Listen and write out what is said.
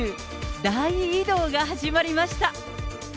大移動が始まりました。